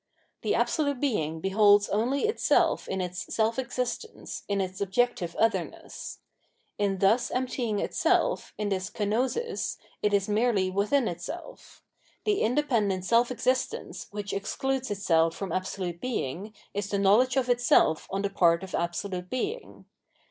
The absolute Being beholds only itself in its Self existence, in its objective otherness. In thus emptying itself, in this kenosis, it is merely within itself: the independent Self existence which excludes itself from absolute Being is the knowledge of Bevealed Rdigion 770 itself on the part of absolute Being.